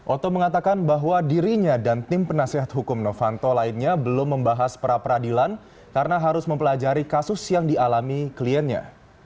oto mengatakan bahwa dirinya dan tim penasehat hukum novanto lainnya belum membahas pra peradilan karena harus mempelajari kasus yang dialami kliennya